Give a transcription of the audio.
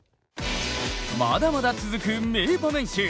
まだまだ続く名場面集！